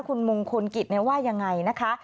คุณมงคลกิจว่ายังไงนะคะ